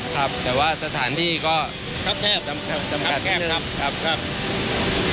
สถานการณ์ข้อมูล